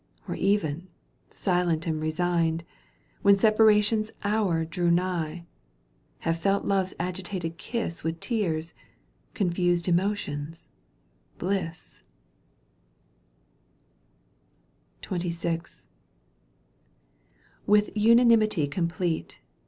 Or even, silent and resigned. When separation's hour drew nigh. Have felt love's agitated kiss With tears, confused emotions, bliss, — XXVI. With unanimity complete.